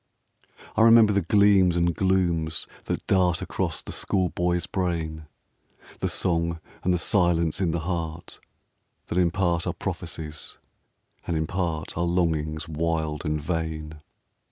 I remember the gleams and glooms that dart Across the school boy's brain; The song and the silence in the heart, That in part are prophecies, and in part Are longings wild and vain.